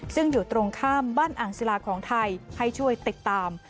ซึ่งอยู่ตรงข้ามบ้านอ่างศิลาของไทยให้ช่วยติดตาม